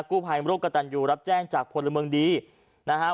กู้ภัยมรกกระตันยูรับแจ้งจากพลเมืองดีนะฮะ